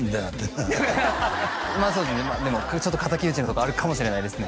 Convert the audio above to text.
ちょっと敵討ちなとこあるかもしれないですね